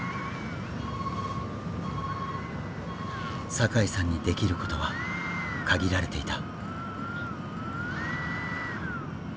阪井さんにできることは限られていた。